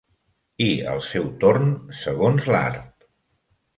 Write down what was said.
I, al seu torn, segons l'art.